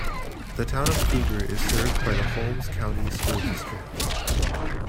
The town of Cruger is served by the Holmes County School District.